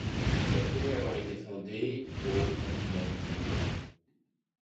Elle pourrait avoir été fondée au ou même plus tôt.